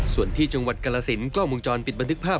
ส่วนที่จังหวัดกรสินกล้องมุมจรปิดบันทึกภาพ